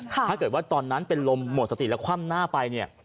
ถ้าเกิดว่าตอนนั้นเป็นลมหมดสติแล้วคว่ำหน้าไปเนี่ย